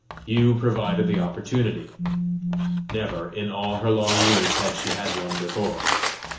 You provided the opportunity: never, in all her long years, had she had one before.